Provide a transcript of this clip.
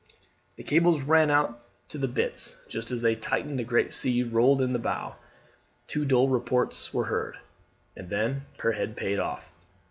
The cables ran out to the bitts. Just as they tightened a great sea rolled in on the bow. Two dull reports were heard, and then her head payed off.